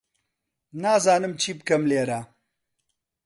نازانم چی بکەم لێرە.